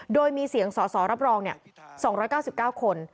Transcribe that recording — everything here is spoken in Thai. โดยมีเสียงสอสอรับรอง๒๙๙คน